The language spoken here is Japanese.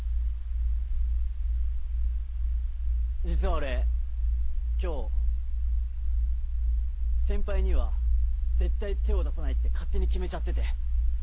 実は俺今日先輩には絶対手を出さないって勝手に決めちゃってて。